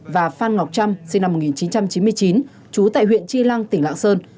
và phan ngọc trâm sinh năm một nghìn chín trăm chín mươi chín trú tại huyện chi lăng tỉnh lạng sơn